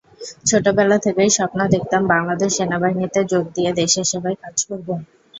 ছোটবেলা থেকেই স্বপ্ন দেখতাম বাংলাদেশ সেনাবাহিনীতে যোগ দিয়ে দেশের সেবায় কাজ করব।